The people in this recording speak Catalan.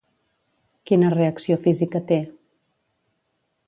Quina reacció física té?